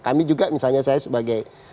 kami juga misalnya saya sebagai